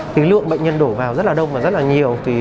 thì lượng bệnh nhân đổ vào rất là đông và rất là nhiều